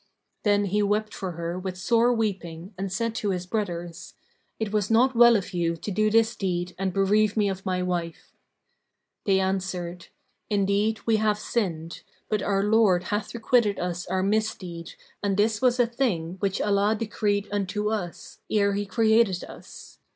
Then he wept for her with sore weeping and said to his brothers, "It was not well of you to do this deed and bereave me of my wife." They answered, "Indeed, we have sinned, but our Lord hath requited us our misdeed and this was a thing which Allah decreed unto us, ere He created us."